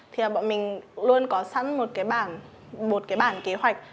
thì bọn mình luôn có sẵn một cái bản kế hoạch